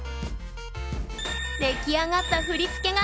出来上がった振り付けがこちら！